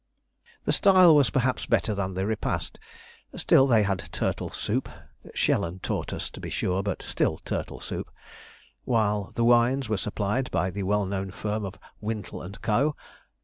The style was perhaps better than the repast: still they had turtle soup (Shell and Tortoise, to be sure, but still turtle soup); while the wines were supplied by the well known firm of 'Wintle & Co.'